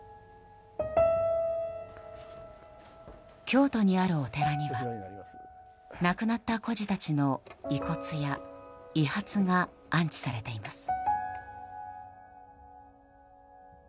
京都にあるお寺には亡くなった孤児たちの遺骨や遺髪が安置されています。